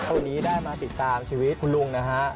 วันนี้ได้มาติดตามชีวิตคุณลุงนะฮะ